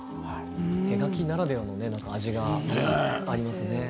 手描きならではの味がありますね。